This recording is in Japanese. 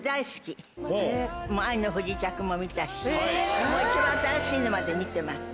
『愛の不時着』も見たし一番新しいのまで見てます。